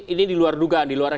ini di luar dugaan